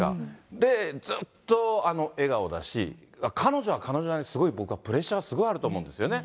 で、ずっとあの笑顔だし、彼女は彼女なりに、すごい、僕はプレッシャーすごいあると思うんですよね。